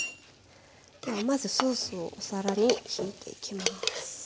ではまずソースをお皿にひいていきます。